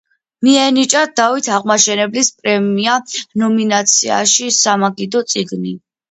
მიენიჭა დავით აღმაშენებლის პრემია ნომინაციაში „სამაგიდო წიგნი“.